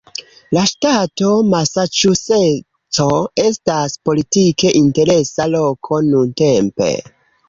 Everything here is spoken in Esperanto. La ŝtato Masaĉuseco estas politike interesa loko nuntempe.